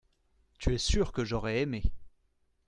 Tu es sûr que j’aurais aimé.